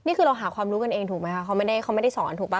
นี่คือเราหาความรู้กันเองถูกไหมคะเขาไม่ได้สอนถูกป่